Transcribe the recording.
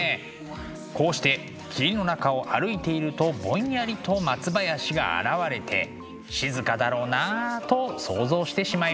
こうして霧の中を歩いているとぼんやりと松林が現れて静かだろうなあと想像してしまいます。